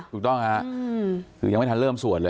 ถูกต้องฮะคือยังไม่ทันเริ่มสวดเลย